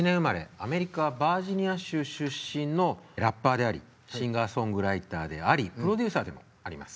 アメリカ・バージニア州出身のラッパーでありシンガーソングライターでありプロデューサーでもあります。